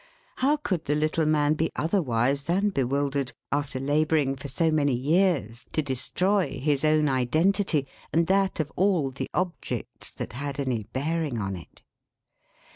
How could the little man be otherwise than bewildered, after labouring for so many years to destroy his own identity, and that of all the objects that had any bearing on it!